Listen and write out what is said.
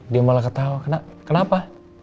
dia malah ketawa kenapa